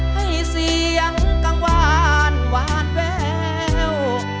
ให้เสียงกังวานหวานแวว